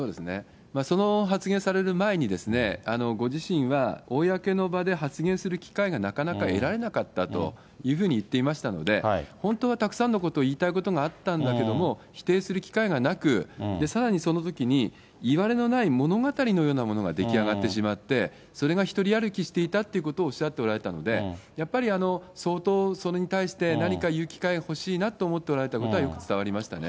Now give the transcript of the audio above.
その発言される前に、ご自身は公の場で発言する機会がなかなか得られなかったというふうに言っていましたので、本当はたくさんのことを言いたいことがあったんだけれども、否定する機会がなく、さらにそのときに、いわれのない物語のようなものが出来上がってしまって、それが独り歩きしていたということをおっしゃっておられたので、やっぱり、相当、それに対して何か言う機会が欲しいなと思っておられたことはよく伝わりましたね。